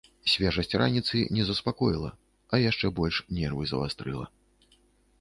Свежасць раніцы не заспакоіла, а яшчэ больш нервы завастрыла.